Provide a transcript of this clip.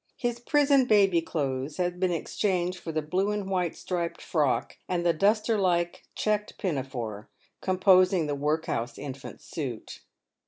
His prison baby clothes had been exchanged for the blue and white striped frock and the duster like checked pinafore, composing the workhouse infant suit.